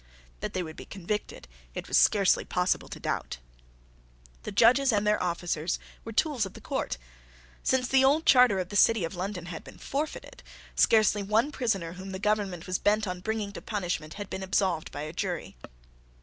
That they would be convicted it was scarcely possible to doubt. The judges and their officers were tools of the court. Since the old charter of the City of London had been forfeited, scarcely one prisoner whom the government was bent on bringing to punishment had been absolved by a jury.